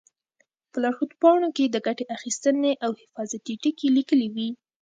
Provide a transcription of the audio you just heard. په لارښود پاڼو کې د ګټې اخیستنې او حفاظتي ټکي لیکلي وي.